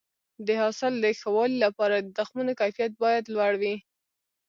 د حاصل د ښه والي لپاره د تخمونو کیفیت باید لوړ وي.